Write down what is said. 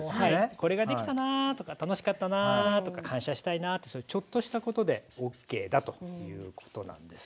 これができたなとか楽しかったな、感謝したいなとかちょっとしたことでＯＫだということなんです。